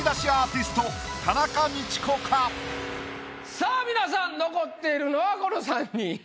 さぁ皆さん残っているのはこの３人。